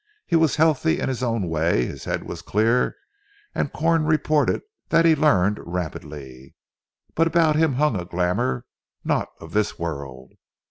He was healthy in his own way, his head was clear, and Corn reported that he learned rapidly. But about him hung a glamour not of this world.